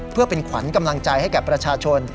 เพื่อเป็นขวัญกำลังใจให้แก่ประชาชน